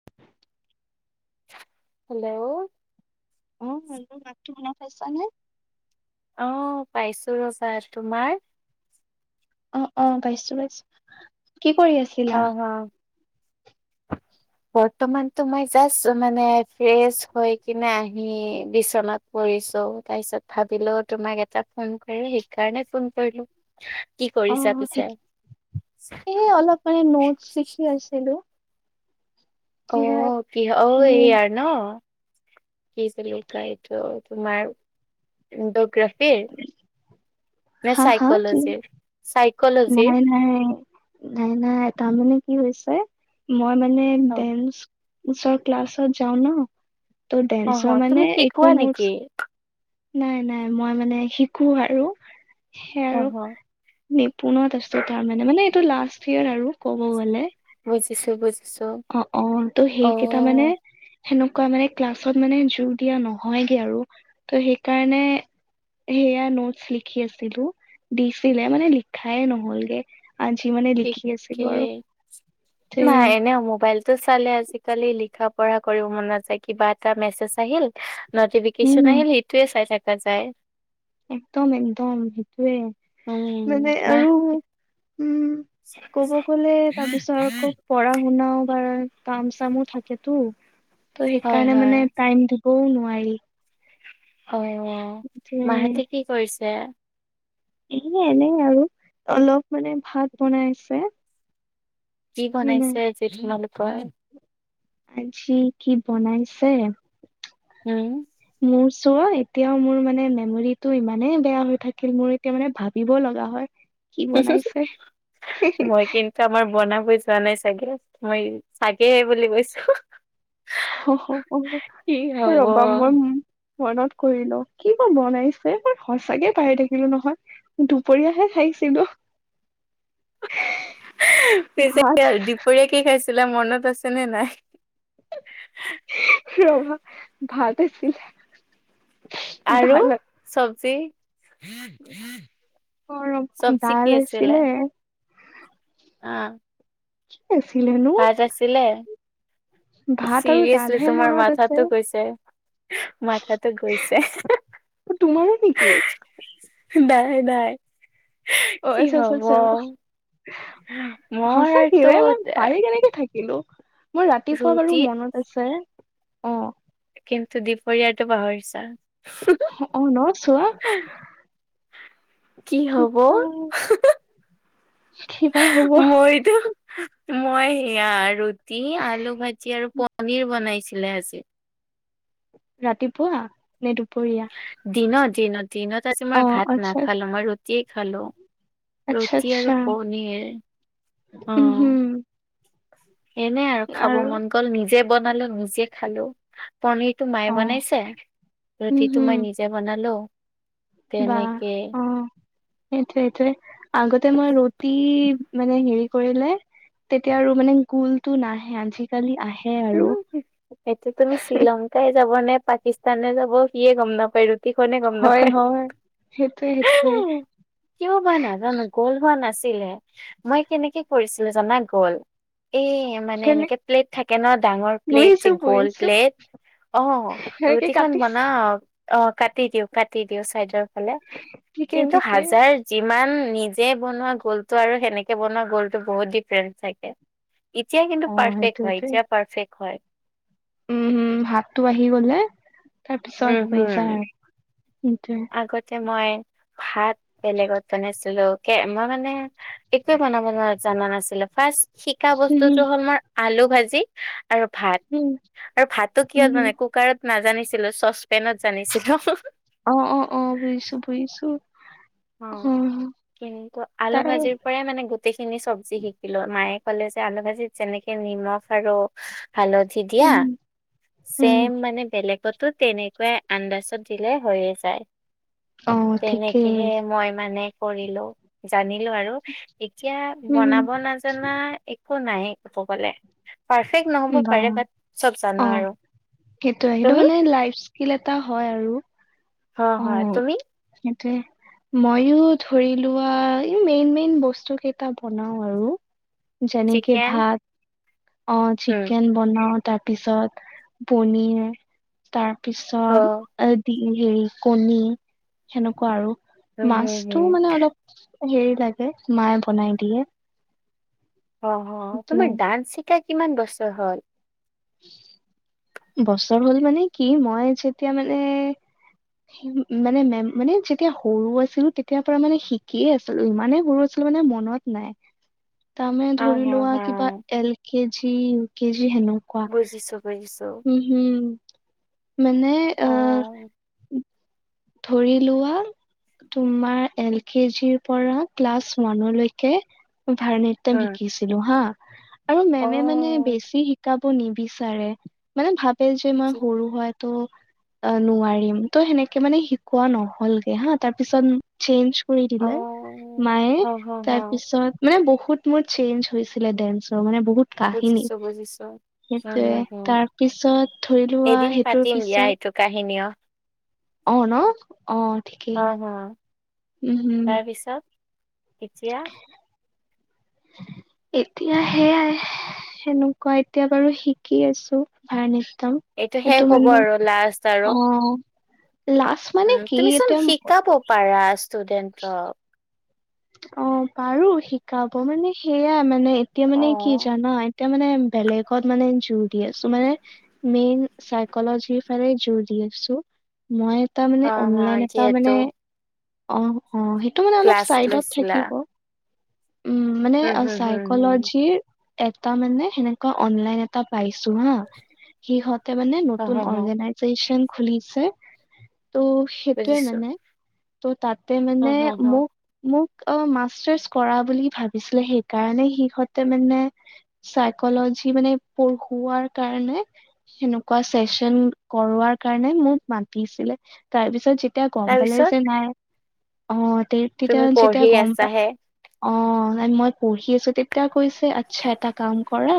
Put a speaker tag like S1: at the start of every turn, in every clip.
S1: [unintelligible]
S2: Hello?
S1: অ', hello মাতটো শুনা পাইছানে?
S2: অ', পাইছোঁ‌ ৰ'চাৰ তোমাৰ?
S1: অ'-অ', পাইছোঁ‌ পাইছোঁ‌, কি কৰি আছে?
S2: অ'-অ'। [unintelligible] বৰ্তমানতো মই জাষ্ট মানে ফ্ৰেচ হৈ কিনে আহি বিচনাত পৰিছোঁ‌, তাৰ পিছত ভাবিলোঁ‌ তোমাক এটা ফোন কৰি, সেইকাৰণে ফোন কৰিলোঁ‌।
S1: অ', ঠিকে, এই অলপ মানে নোটচ লিখি আছিলোঁ‌।
S2: অ', কিহ অ', এ
S1: উম
S2: আৰ ন? কি বুলি কয় এইটো তোমাৰ জিঅ'গ্ৰাফিৰ। নে
S1: হা হা কি
S2: চাইক'লজিৰ? চাইক'লজি।
S1: নাই, নাই-নাই তাৰ মানে কি হৈছে মই মানে
S2: অ',
S1: ডেন্স চৰ ক্লাছত যও ন, ত'
S2: অ',
S1: ডেন্সৰ
S2: অ', তুমি
S1: মানে
S2: শিকোৱা
S1: একো
S2: নেকি?
S1: ন'টচ নাই-নাই মই মানে শিকোঁ‌ আৰু, সেই
S2: অ',
S1: আৰু
S2: অ',
S1: নিপুণতৰ দেষ্টতা মানে, মানে এইটো লাষ্ট ইয়েৰ আৰু ক'ব গ'লে।
S2: বুজিছোঁ‌ বুজি
S1: অ'-অ', ত' সেইকেইটা মানে সেনেকুৱা মানে ক্লাছত মানে জোৰ দিয়া নহয়গে আৰু, ত' সেইকাৰণে এ, সেয়া নোটচ লিখি আছিলোঁ দিছিলে মানে লিখাই নহ'লগে। আজি মানে লিখি
S2: ঠিকে
S1: আছিলো আৰু তে
S2: ভা এনেওঁ মোবাইল টোচালে আজিকালি লিখা-পঢ়া কৰিব মন নযায়, কিবা এটা মেছেজ আহিল নটিফিকেচন
S1: উম
S2: আহিল সেইটোৱে চাই থাকা যায়।
S1: একদম, একদম সেইটোৱে
S2: উম
S1: মানে
S2: মাহ
S1: আৰু উম,
S2: [inaudible]
S1: পঢ়া-শুনাওঁ বাৰ কাম-চামো থাকেতো ত'
S2: হয়
S1: সেইকাৰণে
S2: হয়
S1: মানে টাইমটো [unintelligible] নোৱাৰি।
S2: হয়
S1: তে
S2: অ' মাহঁতে কি কৰিছে?
S1: [unintelligible] এনে আৰু অলপ মানে ভাত বনাইছে।
S2: কি
S1: নাই নাই
S2: বনাইছে আজি তোমালোকৰ?
S1: আজি কি বনাইছে
S2: উম,
S1: মোৰ চোৱা এতিয়াওঁ মোৰ মানে মেমৰিটো ইমানে বেয়া হৈ থাকিল মোৰ এতিয়া মানে ভাবিব লগা হয় কি বনাইছে।
S2: তে আমাৰ বনাবৈ যোৱা নাই চাগে, মই চাগেহে বুলি কৈছো।
S1: [unintelligible]
S2: কি হব
S1: ৰ'বা মই মনত কৰি লওঁ কি বা বনাইছে মই সঁচাকে পাহৰি থাকিলোঁ নহয়। দুপৰীয়াহে খাইছিলোঁ।
S2: পিছে
S1: ভাত
S2: [unintelligible] দুপৰীয়া কি খাইছিলা মনত আছে নে নাই?
S1: ৰ'বা ভাত আছিলে।
S2: আৰু
S1: দাল
S2: চবজি?
S1: অ ৰবা
S2: চবজি
S1: দাল
S2: কি আছিলে? অ',
S1: কি আছিলেনো
S2: ভাত আছিলে,
S1: ভাত আৰু
S2: চিৰিয়াচলি
S1: দালহে
S2: তোমাৰ
S1: মনত আছে
S2: মাথাতো গৈছ। মাথাতো গৈছে।
S1: অ'তোমাৰো নেকি?
S2: এ, নাই, নাই।
S1: অ'
S2: কি
S1: আচ্ছা, আচ্ছা,
S2: হব
S1: আচ্ছা অ' সঁচাকে
S2: মোৰতো
S1: ৰে মই পাহৰি কেনেকে থাক লোঁ মই ৰাতিপুৱা বাৰু
S2: ৰুটি
S1: মনত আছে অ'।
S2: কিন্তু দিপৰীয়াৰটো পাহৰিছা?
S1: হ, অ' ন, চোৱা?
S2: কি হব
S1: কিবা, কিবা হ'ব
S2: ইটো মই সেয়া ৰুটি, আলু ভাজি আৰু পনিৰ বনাইছিলে আজি।
S1: ৰাতিপুৱা নে দুপৰীয়া?
S2: দিনত, দিনত, দিনত আজি
S1: অ
S2: মই ভাত
S1: আচ্ছা
S2: নাখালোঁ, মই ৰুটিয়ে খালোঁ।
S1: আচ্ছা
S2: ৰুটি আৰু
S1: আচ্ছা
S2: পনীৰ অ'।
S1: উম হম
S2: এনে আৰু খাব মন গ'ল নিজে বনালোঁ, নিজে খালোঁ পনিৰ তো মায়ে
S1: অ
S2: বনাইছে,
S1: উম
S2: ৰুটিটো
S1: হম
S2: মই নিজে বনালোঁ।
S1: বা, অ'। সেইটোৱে, এইটোৱে আগতে মই ৰুটি মানে হেৰি কৰিলে তেতিয়া আৰু মানে গোলটো নাহে, আজি কালি আহে।
S2: ইও
S1: আৰু
S2: হু, সেইটো তুমি শ্ৰীলংকাই যাব নে পাকিস্তানে যাব সিয়ে গম নাপায় আৰু। টিখনে গম
S1: হয়
S2: নাপায়,
S1: হয় সেইটোৱে সেইটোৱে
S2: কিয় বা নাজানো? গ'ল হোৱা নাছিলে? মই কেনেকে কৰিছিলো জানা গ'ল এ- মানে
S1: কেনে
S2: এনেকে প্লেট থাকে থককে ন ডাঙৰ প্লেট
S1: বুজিছো
S2: যে গ'ল
S1: বুজিছো
S2: প্লেট, অ
S1: সেনেকে
S2: ৰুটিখন
S1: কাটিছা
S2: বনাও অত অ কাটি দিও কাটি দিওঁ চাইদৰ ফালে,
S1: ঠিকে
S2: কিন্তু
S1: ঠিকে।
S2: হাজাৰ যিমান নিজে বনোৱা গোলটো আৰু সেনেকে বনোৱা গোলটো বহুত ডিফাৰেন্স থাকে। ইতিয়াই কিন্তু
S1: অ
S2: পাৰফেক্ট হয়,
S1: সেইটোৱেটো।
S2: এতিয়া পাৰফেক্ট হয়।
S1: উম হু, হাতটো আহি গলে তাৰ
S2: উম
S1: পিছত হৈ
S2: হুম।
S1: যায় আৰু সেইটোয়ে।
S2: আগতে মই ভাত বেলেগত বনাইছিলো। কে মই মানে একোৱে বনাব না জানা নাছিলো, ফাৰ্ষ্ট শিকা বস্তুটো
S1: উম
S2: হ'ল মোৰ আলু ভাজি আৰু ভাত,
S1: উম
S2: আৰু ভাতো
S1: উম
S2: কিহত
S1: হম
S2: বনাই কুকাৰত নাজানিছিলো, চচপেনত জানিছিলো হুহু।
S1: অ অ অ বুজিছো বুজিছো, অ
S2: কিন্তু আলু
S1: তাৰ
S2: ভাজিৰ পৰাই মানে গোটেইখিনি চব্জি শিকিলো, মায়ে কলে যে আলু ভাজিত যেনেকে নিমখ আৰু- হালধি দিয়া,
S1: উম উম
S2: ছেম মানে বেলেগ- গতো তেনেকুৱাই আন্দাজত দিলে হৈয়ে যায়,
S1: অ
S2: তেনেকে-
S1: ঠিকেই
S2: মই মানে কৰিলো জানিলো আৰু, এতিয়া
S1: উম
S2: বনাব নাজানা একো - কো নায়েই কব গলে। পাৰফেক্ট নহ'ব
S1: বা
S2: পাৰে বাট চব জানো আৰু, তুমি?
S1: লাইফছ - ফিল এটা হয় আৰু।
S2: অ হয়, তুমি?
S1: সেইটোৱে। মইও ধৰি লোৱা এই মেইন মেইন বস্তুকেইটা বনাও আৰু। যেনেক
S2: চিকেন
S1: ভাত, অ চি -
S2: উম
S1: বনাও তাৰ পিছত পনীৰ,
S2: হ
S1: তাৰপিছত এ- ডিম হেৰি কণী সেনেকুৱা আৰু,
S2: উম হম
S1: মাছটো
S2: হম
S1: মানে অলপ- হেৰি লাগে মায়ে বনাই দিয়ে।
S2: অ অ
S1: সেইটোৱে।
S2: তোমাৰ ডান্স শিকা কিমান বছৰ হ'ল?
S1: বছৰ হ'ল মানে কি, মই যেতিয়া মানে- উহুম মানে মেম মানে যেতিয়া সৰু আছিলো তেতিয়াৰ পৰা মানে শিকিয়ে আছ- ছিলো, ইমানেই সৰু আছিলো মানে মনত নাই।
S2: [inaudible]
S1: তাৰ মানে
S2: অ
S1: ধৰি
S2: হ
S1: লোৱা
S2: হ
S1: কিবা এল কেজি, ইউ কেজি হেনো-
S2: বুজিছোঁ বুজিছোঁ।
S1: উ হুম মানে অ
S2: উম
S1: ধৰি লোৱা, তোমাৰ এল কে জিৰ পৰা ক্লাছ ওৱানলৈকে ভাৰ না ট্যম শিকিছিলো হা আৰু
S2: অ
S1: মেমে মানে বেছি শিকাব নিবিচাৰে। মানে ভাবে যে মই
S2: কি
S1: সৰু হয় তো নোৱাৰিম ত সেনেকে। কে মানে শিকোৱা নহ'লগে হা তাৰ পিছত, চেঞ্জ কৰি
S2: অ
S1: দিলে
S2: হ
S1: মায়ে
S2: হ হ
S1: তাৰপ- পিছত মানে বহুত মোৰ চেঞ্জ হৈছিলে ডেন্সৰ মানে বহুত কাহিনী
S2: বুজিছোঁ বুজিছোঁ।
S1: সেইটোয়ে তাৰ পিছত ধৰি লোৱা
S2: এদিন
S1: সেইটোৰ
S2: পাতিম দিয়া
S1: পিছত
S2: এইটো কাহিনীৰ আ
S1: অ' ন অ'
S2: হা,
S1: ঠিকেই।
S2: হা,
S1: উম হম
S2: তাৰপিছত এতিয়া।
S1: এতিয়া সেয়াই সেনেকুৱা, এতিয়া বাৰু শিকি আছোঁ ভাৰত নৃত্যম।
S2: এইটো শেষ হ'ব আৰু লাষ্ট আৰু
S1: অ লাজ মানে
S2: উ
S1: কি
S2: তুমি চোন
S1: এতিয়া অ
S2: শিকাব পাৰা ষ্টুডেণ্টতক।
S1: অ' পাৰোঁ শিকাব মানে সেইয়াই মানে এতিয়া মানে কি
S2: অ',
S1: জানা- এতিয়া মানে বেলেগত মানে জোৰ দি আছোঁ। মানে মেইন চাইক'লজি ফালে যোৰ দি আছোঁ। মই এটা
S2: হা,
S1: মানে
S2: হা,
S1: অনলাইন এটা
S2: যিহেতু
S1: মানে অ' অ' সেইটো মানে অলপ
S2: ক্লাছ
S1: চাইডত
S2: লৈছিলা।
S1: থাকিব। উম মানে
S2: হুম, হুম, হুম, হুম,
S1: চাইকলজিৰ এটা মানে সেনেকুৱা অনলাইন এটা পাইছোঁ হা। সিহঁতে মানে
S2: হা,
S1: নতুন
S2: হা, হা,
S1: অৰ্গেনাইজেচন খুলিছে। ত' সেইটোয়ে
S2: বুজিছো।
S1: মানে ত' তাতে
S2: হুম,
S1: মানে
S2: হুম, হুম,
S1: মোক, মোক অ' মাষ্টা কৰা বুলি ভাবিছিলে। সেইকাৰণে সিহঁতে মানে চাইকলজি মানে পঢ়োৱাৰ কাৰণে সেনেকুৱা চেচন কৰোৱাৰ কাৰণে মোক মাতিছিলে। তাৰ পিছত যেতিয়া গ'ম পালে
S2: তাৰপিছত
S1: যে নাই। অ'
S2: তুমি
S1: তেতিয়া
S2: পঢ়ি
S1: যেতিয়া গ'ম পালে
S2: আছাহে।
S1: অ' মই পঢ়ি আছোঁ। তেতিয়া কৈছে আচ্ছা এটা কাম কৰা।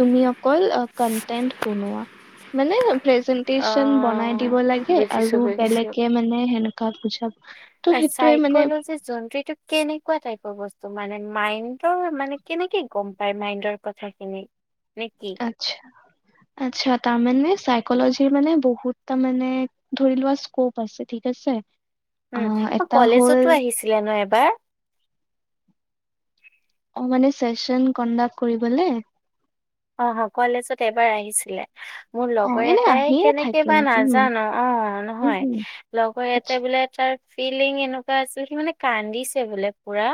S1: তুমি অকল কণ্টেন বনোৱা মানে প্ৰেজেন টিচন বনাই
S2: অ',
S1: দিব লাগে
S2: বুজিছো,
S1: আৰু
S2: বুজিছো।
S1: বেলেগে মানে সেনেকুৱা বুজা ত' সেইটোয়ে মানে
S2: সেইটো কেনেকুৱা টাইপৰ বস্তু মানে মাইণ্ডৰ মানে কেনেকে গ'ম পাই মাইণ্ডৰ কথাখিনি নে কি?
S1: আচ্ছা আচ্ছা তাৰ মানে চাইকলজি মানে বহুত তাৰ মানে ধৰি লোৱা স্কুপ পাছে ঠিক আছে অ' এটা হ'ল
S2: দিয়া না এবাৰ
S1: অ' মানে ফেচন কণ্ডাক্ট কৰিবলৈ।
S2: অ' কলেজত এবাৰ আহিছিলে। মোৰ
S1: অ
S2: লগৰ
S1: এনে
S2: এটাই
S1: আহিয়ে
S2: কেনেকে
S1: থাকে
S2: বা
S1: উম
S2: নাজানোঁ অ'
S1: উম
S2: নহয়।
S1: উম
S2: লগৰ
S1: আচ্ছা
S2: এটাই বোলে তাক ফিলিং এনেকুৱা আছিল সি মানে কান্দিছে বোলে পুৰা।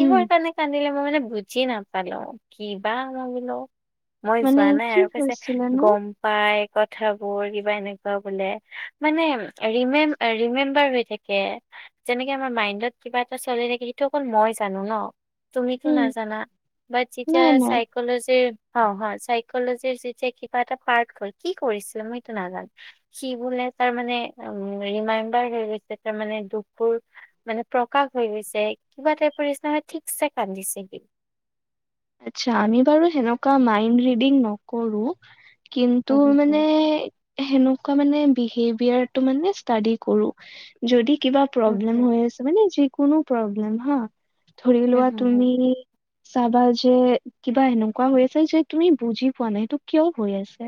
S1: উম
S2: কাৰণে কান্দিলে মই মানে বুজি নাপালোঁ, কিবা ভাবিলোঁ। মই
S1: মানে
S2: যোৱা নাই
S1: কি
S2: আৰু পিছে
S1: হৈছিলেনো
S2: গ'ম পাই কথাবোৰ কিবা এনেকুৱা বোলে মানে ৰিমে, ৰিমেম্বাৰ হৈ থাকে। যেনেকে আমাৰ মাইণ্ডত কিবা এটা চলে থাকে সেইটো অকল মই জানোঁ ন'। তুমি তো
S1: উম
S2: নাজানা, বা যিতিয়া
S1: নাই নাই
S2: চাইকলজি পাওঁ হয়। চাইকলজিৰ যেতিয়া কিবা এটা পাক হ'ল। কি কৰিছিলে মই এইটো নাজানোঁ সি বোলে তাৰ মানে উ ৰিম্মাইবাৰ হৈ গৈছে তাৰ মানে দুখবোৰ মানে প্ৰকাশ হৈ গৈছে কিবা টাইপৰ নিচিনা হৈ ঠিকছে কান্দিছে সি।
S1: আচ্ছা আমি বাৰু সেনেকুৱা মাইণ্ড ৰিডিং নকৰোঁ। কিন্তু
S2: হু হু হু
S1: মানে সেনেকুৱা মানে বিহেভিয়াৰটো মানে ষ্টাডি কৰো, যদি কিবা
S2: হু
S1: প্ৰব্লেম
S2: হু
S1: হৈ আছে, মানে যিকোনো প্ৰব্লেম হা, ধৰি
S2: হু
S1: লোৱা
S2: হু হু
S1: তুমি চাবাজ। যে কিবা এনেকুৱা হৈ আছে যে তুমি বুজি পোৱা নাই, এইটো কিয় হৈ আছে,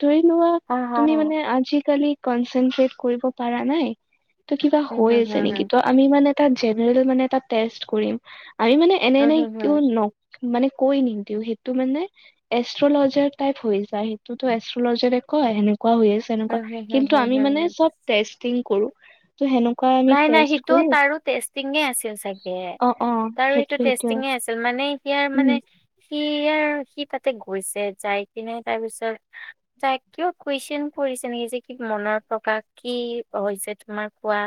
S1: ধৰি লোৱা
S2: অ', হম,
S1: তুমি মানে আজিকালি কনচন্ত্ৰেড কৰিব পাৰা নাই। ত' কিবা
S2: হম,
S1: হৈ
S2: হম,
S1: আছে
S2: হম,
S1: নেকি,
S2: হম,
S1: ত' আমি মানে তাত জেনেৰেল মানে এটা টেষ্ট কৰিম, আমি মানে এনে
S2: হম,
S1: এনে
S2: হম,
S1: কিয় নক মানে কৈ নিদিওঁ, সেইটো মানে এষ্ট্ৰলজাৰ টাইপ হৈ যায়, সেইটোতো এষ্ট্ৰলজাৰে কয়, সেনেকুৱা হৈ আছে। তেনেকুৱা,
S2: হম, হম, হম,
S1: কিন্তু
S2: হম,
S1: আমি
S2: হম,
S1: মানে
S2: হম।
S1: চব টেষ্টিং কৰো। ত' সেনেকুৱা আমি
S2: নাই, নাই,
S1: টেষ্ট
S2: সিটো
S1: কৰো
S2: তাৰো টেষ্টিঙে আছিল চাগে,
S1: অ অ
S2: তাৰো সেইটো
S1: সেইটোয়ে
S2: টেষ্টিঙে আছিল। মানে এতিয়াৰ
S1: উম
S2: মানে। সি আৰু, সি তাতে গৈছে, যাই কিনে তাৰপিছত তাই কিয় কুৱেশচন কৰিছে নিকি, যে কি মনৰ প্ৰকাশ কি হৈছে তোমাৰ কোৱা।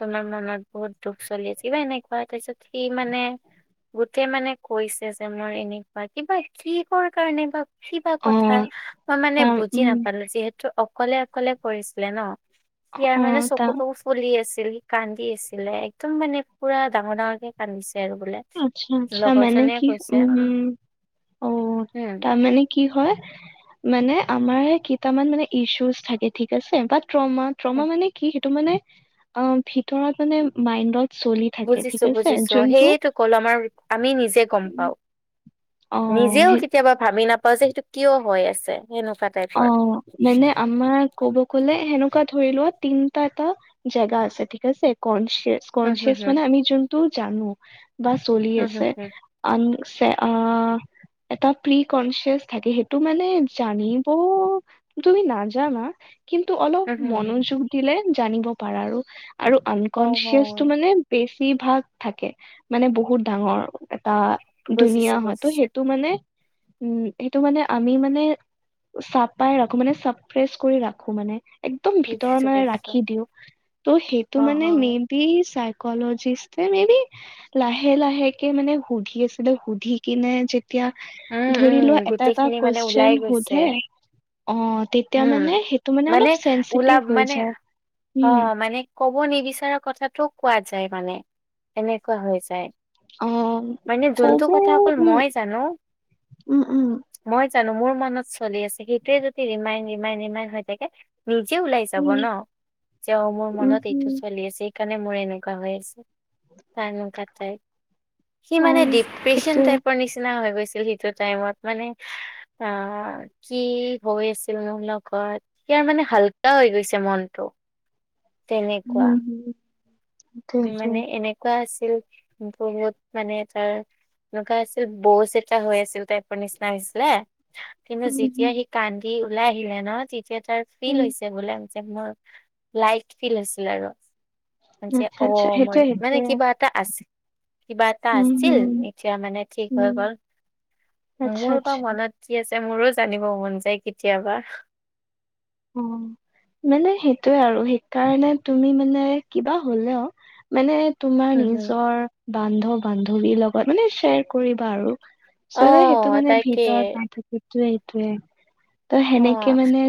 S2: তোমাৰ মনত বহুত দুখ চলি আছে, কিবা এনেকুৱা তাৰপিছত সি মানে গোটেই মানে কৈছে যে, মোৰ এনেকুৱা কিবা কিহৰ কাৰণে বা। কিবা
S1: অ
S2: কথা, মই মানে
S1: তাৰ
S2: বুজি
S1: উম
S2: নাপালোঁ, যিহেতু অকলে অকলে কৰিছিলে ন', ইয়াৰ
S1: অ
S2: মানে
S1: তাৰ
S2: চকুতো। পলি আছিল, কান্দি আছিলে একদম মানে পুৰা ডাঙৰ ডাঙৰকে কান্দিছে আৰু বোলে।
S1: আচ্ছা, আচ্ছা, মানে
S2: লগৰজনীয়ে
S1: কি,
S2: কৈছে
S1: উম' অ'
S2: উম
S1: তাৰমানে। কি হয়, মানে আমাৰ কেইটামান মানে ইছুজ থাকে ঠিক আছে, বাট ট্ৰমা, ট্ৰমা
S2: উম,
S1: মানে কি, সেইটো মানে অ' ভিতৰত মানে মাইণ্ডত চলি থাকে ঠিক আছে, যোনটো
S2: কলমাৰ আমি নিজে গ'ম
S1: উম,
S2: পাওঁ,
S1: অ
S2: নিজেও
S1: সেই
S2: কেতিয়াবা ভাবি নাপাওঁ যে, সেইটো কিয় হৈ আছে, সেনেকুৱাত।
S1: অ' মানে আমাৰ ক'ব ক'লে সেনেকুৱা ধৰি লোৱা, তিনটা এটা জেগা আছে ঠিক আছে, কনচিয়াচ
S2: হুম হুম
S1: কনচিয়াছ
S2: হুম
S1: মানে আমি যোনটো জানো, বা চলি
S2: হুম হুম
S1: আছে।
S2: হুম
S1: আনচে আ এটা প্ৰি কনচিয়াছ থাকে, সেইটো মানে জানি প তুমি নাজানা, কিন্তু অলপ
S2: হুম হুম হুম।
S1: মনোযোগ দিলে জানিব পাৰা আৰু, আৰু
S2: হয়
S1: আনকনচিয়াচটো
S2: হয়
S1: মানে। বেছিভাগ থাকে, মানে বহুত ডাঙৰ। অ' ধুনীয়া
S2: বুজিছো
S1: হয়তো,
S2: বুজিছো
S1: সেইটো মানে উম' সেইটো মানে আমি মানে চাপাই ৰাখো মানে, চাফ্ৰেছ কৰি ৰাখো মানে। একদম
S2: বুজিছো
S1: ভিতৰত মানে
S2: বুজিছো
S1: ৰাখি দিওঁ, ত'
S2: অ
S1: সেইটো
S2: হ
S1: মানে মেইন কি চাইকলজিষ্ট, মে বি লাহে লাহেকে মানে সুধি আছিলে, সুধি কেনে যে এতিয়া
S2: উম উম
S1: ধৰি লোৱা, এটা, এটা
S2: গোটেইখিনি মানে
S1: কুৱেচন
S2: ওলাই গৈছে
S1: সোধে। অ তেতিয়া মানে
S2: উম'
S1: সেইটো
S2: মানে
S1: অলপ চেনচিটিভ
S2: ওলাব,
S1: হৈ
S2: মানে
S1: যায় উম
S2: অ' মানে ক'ব নিবিচৰা কথাটো কোৱা যায় মানে, এনেকুৱা হৈ যায়।
S1: অ'
S2: মানে যোনটো
S1: ক'ব
S2: কথা অকল
S1: উম,
S2: মই জানো
S1: ' উম' উম'।
S2: মই জানো মোৰ মনত চলি আছে, সেইটোৱে যদি ৰিমাইন, ৰিমাইন, ৰিমাইন হৈ থাকে। নিজে ওলাই যাব
S1: উম
S2: ন', যে অ' মোৰ
S1: উম উম
S2: মনত এইটো
S1: হম
S2: চলি আছে। সেকাৰণে মোৰ এনেকুৱা হৈ আছে, বা এনেকোৱা টাইপ। সি
S1: অ
S2: মানে ডিপ্ৰেচন
S1: সেইটোৱে
S2: টাইপৰ নিচিনা হৈ গৈছিল সেইটো টাইমত, মানে আ কি হৈ আছিল মোৰ লগত, এতিয়া মানে হাল্কা হৈ গৈছে মনটো। তেনেকুৱা
S1: উম সেইটোৱে
S2: মানে এনেকুৱা আছিল বহুত মানে তাৰ এনেকুৱা আছিল বজ এটা হৈ আছিল টাইপৰ নিচিনা হৈছিলে কিন্তু
S1: উম
S2: যেতিয়া
S1: হম
S2: সি কান্দি ওলাই আহিলে ন তেতিয়া তাৰ ফিল
S1: উম
S2: হৈ বোলে যে মোৰ লাইট ফিল আছিল আৰু যে অ
S1: [unintelligible]
S2: ম মানে
S1: সেইটোৱে
S2: কিবা এটা আছে কিবা এটা
S1: উম
S2: আছিল
S1: হম
S2: এতিয়া মানে ঠিক হৈ
S1: উম
S2: গ'ল
S1: আচ্ছা
S2: তোমাৰ
S1: আচ্ছা
S2: মনত কি আছে মোৰো জানিব মন যায় কেতিয়াবা
S1: অ মানে সেইটোয়ে আৰু সেইকাৰণে তুমি মানে কিবা হলেও মানে তোমাৰ
S2: হুম হুম
S1: নিজৰ বান্ধ বান্ধৱীৰ লগত মানে শ্বেয়াৰ কৰিবা আৰু
S2: অ
S1: চ ন সেইটো মানে
S2: তাকে
S1: ভিতৰত [unintelligible] সেইটোৱে সেইটোৱে ত
S2: অ
S1: সেনেকে মানে